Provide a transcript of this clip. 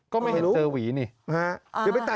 ก็ไม่เห็นเจอหวีนี่ฮะ